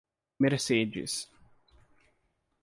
Mercedes